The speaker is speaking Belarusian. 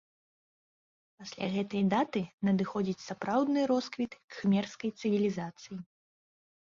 Пасля гэтай даты надыходзіць сапраўдны росквіт кхмерскай цывілізацыі.